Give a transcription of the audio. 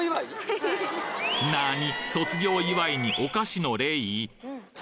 なに！？